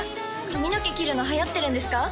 髪の毛切るのはやってるんですか？